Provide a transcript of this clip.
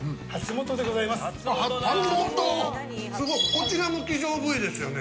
こちらも希少部位ですよね。